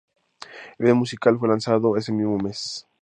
El video musical fue lanzado ese mismo mes.